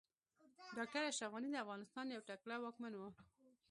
ډاکټر اشرف غني د افغانستان يو تکړه واکمن و